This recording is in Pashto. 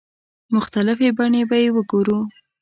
مختلفې بڼې به یې وګورو.